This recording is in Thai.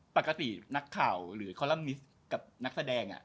ปกตินักข่าวหรือคอลัมมิสกับนักแสดง